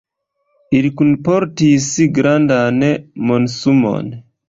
Ili kunportis grandan monsumon.